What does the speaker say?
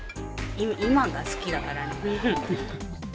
今が好きだからねフフ。